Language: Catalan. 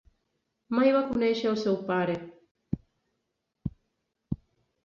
Mai va conèixer al seu pare.